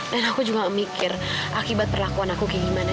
dan aku juga mikir akibat perlakuan aku kayak gimana